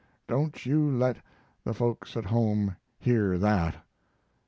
Don't you let the folks at home hear that.